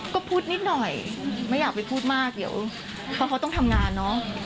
ก็พูดนิดหน่อยไม่อยากไปพูดมากเดี๋ยวเพราะเขาต้องทำงานเนอะ